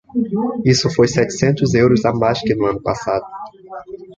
Isso foi setecentos euros a mais que no ano passado.